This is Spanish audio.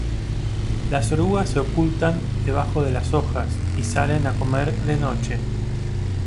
Las orugas se ocultan debajo de las hojas y salen a comer de noche.